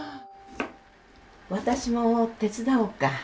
私も手伝おうか？